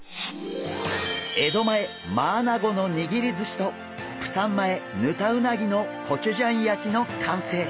江戸前マアナゴの握りずしとプサン前ヌタウナギのコチュジャン焼きの完成！